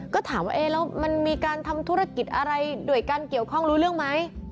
ก็ถามว่าเอ๊ะแล้วมันมีการทำธุรกิจอะไรด้วยกันเกี่ยวข้องรู้เรื่องไหม